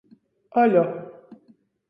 -Aļo!